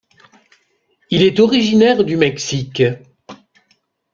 Il est originaire du Mexique.